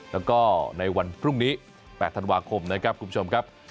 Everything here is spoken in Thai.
แล้วก็ในวันพรุ่งนี้๘ธันวาคมนะครับคุณผู้ชมครับ